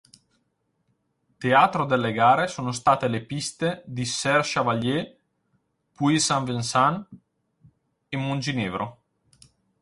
Teatro delle gare sono state le piste di Serre Chevalier, Puy-Saint-Vincent e Monginevro.